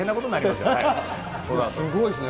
すごいですね。